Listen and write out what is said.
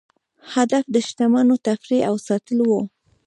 هدف د شتمنو تفریح او ساتل وو.